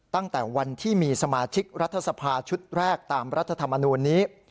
ตั้งแต่วันที่มีสมาชิกรัฐสภาชุดแรกตามรัฐธรรมนูลนี้